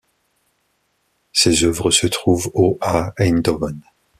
Ses œuvres se trouvent au à Eindhoven.